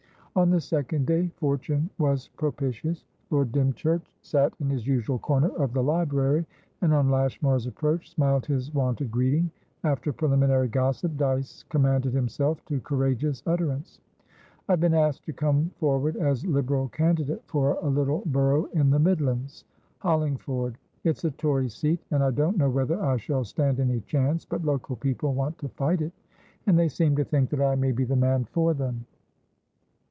On the second day fortune was propitious. Lord Dymchurch sat in his usual corner of the library, and, on Lashmar's approach, smiled his wonted greeting. After preliminary gossip, Dyce commanded himself to courageous utterance. "I have been asked to come forward as Liberal candidate for a little borough in the MidlandsHollingford. It's a Tory seat, and I don't know whether I shall stand any chance, but local people want to fight it, and they seem to think that I may be the man for them."